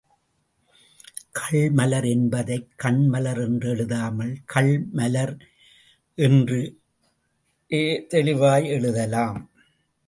கள் மலர் என்பதைக் கண்மலர் என்றெழுதாமல், கள் மலர் என்றே தெளிவாய் எழுதலாம்.